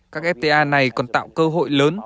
các fta này còn tạo cơ hội lớn